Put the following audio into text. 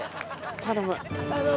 頼む。